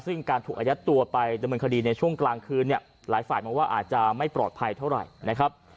ซึ่งการถูกอายัดตัวไปดำเนินคดีในช่วงกลางคืนเนี่ยหลายฝ่ายมองว่าอาจจะไม่ปลอดภัยเท่าไหร่นะครับ